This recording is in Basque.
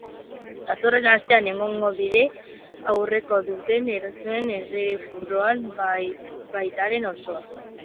Datorren asteazken eguerdian aurkeztuko dute erretreten erreformaren proiektu osoa.